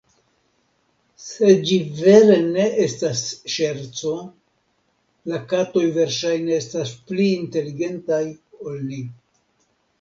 Sed ĝi vere ne estas ŝerco, la katoj versaĵne estas pli inteligentaj ol ni.